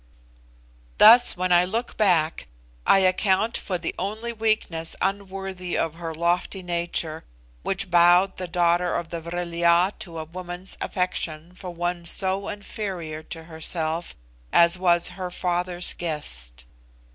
Thus, when I look back, I account for the only weakness unworthy of her lofty nature, which bowed the daughter of the Vril ya to a woman's affection for one so inferior to herself as was her father's guest.